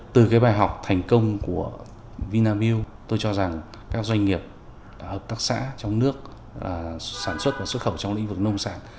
từ cái bài học thành công của vinamilk tôi cho rằng các doanh nghiệp hợp tác xã trong nước sản xuất và xuất khẩu trong lĩnh vực nông sản